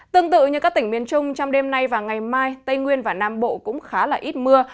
tương tự như các tỉnh miền trung trong đêm nay và ngày mai tây nguyên và nam bộ cũng khá là ít mưa